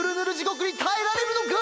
ごくにたえられるのか！？